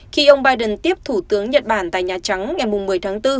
khi ông biden tiếp thủ tướng nhật bản tại nhà trắng ngày một mươi tháng bốn